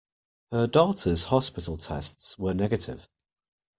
Her daughter's hospital tests were negative.